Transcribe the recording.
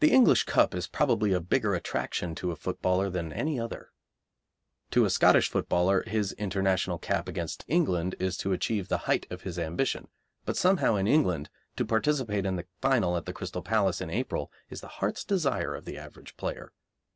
The English Cup is probably a bigger attraction to a footballer than any other. To a Scottish footballer his International cap against England is to achieve the height of his ambition, but somehow in England, to participate in the final at the Crystal Palace in April is the heart's desire of the average player.